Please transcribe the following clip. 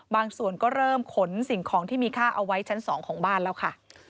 ส่วนก็เริ่มขนสิ่งของที่มีค่าเอาไว้ชั้น๒ของบ้านแล้วค่ะ